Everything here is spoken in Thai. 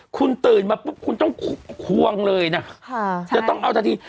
คุณตื่นมาปุ๊บคุณต้องควงเลยนะจะต้องเอาทันที